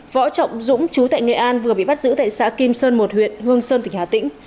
võ trọng dũng chú tại nghệ an vừa bị bắt giữ tại xã kim sơn một huyện hương sơn tỉnh hà tĩnh